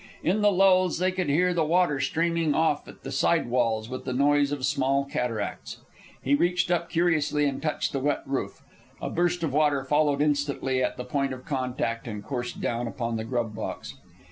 In the lulls they could hear the water streaming off at the side walls with the noise of small cataracts. He reached up curiously and touched the wet roof. A burst of water followed instantly at the point of contact and coursed down upon the grub box.